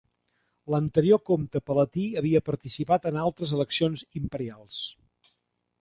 L'anterior comte palatí havia participat en altres eleccions Imperials.